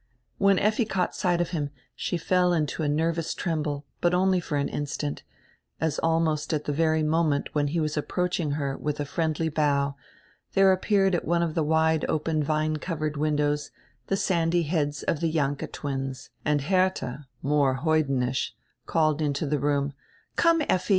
When Effi caught sight of him she fell into a nervous tremble, but only for an instant, as almost at the very moment when he was approaching her with a friendly bow there appeared at one of die wide open vine covered windows die sandy heads of the Jahnke twins, and Hertiia, the more hoidenish, called into the room: "Come, Effi."